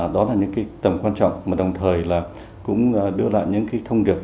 đó là những tầm quan trọng mà đồng thời cũng đưa lại những thông điệp